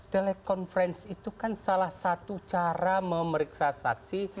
telekonferensi itu kan salah satu cara memeriksa saksi